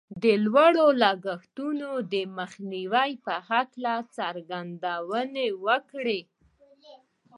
د لوړو لګښتونو د مخنيوي په هکله يې څرګندونې وکړې.